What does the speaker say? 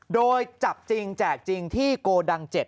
โดยจับจริงแจกจริงที่โกดัง๗